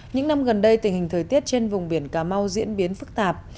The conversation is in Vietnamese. những năm gần đây tình hình thời tiết trên vùng biển cà mau diễn biến phức tạp